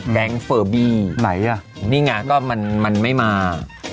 แก๊งเฟอร์บี้ไหนอ่ะนี่ไงก็มันไม่มา